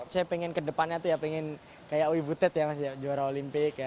saya pengen ke depannya tuh ya pengen kayak ui butet ya juara olimpik